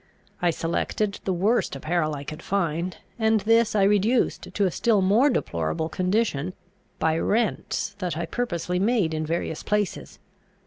I selected the worst apparel I could find; and this I reduced to a still more deplorable condition, by rents that I purposely made in various places.